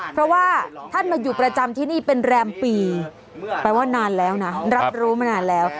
เพราะว่าท่านมาอยู่ประจำที่นี่เป็นแรมปีแปลว่านานแล้วนะรับรู้มานานแล้ว